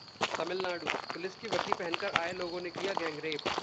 Tamil Nadu: police की वर्दी पहनकर आए लोगों ने किया गैंगरेप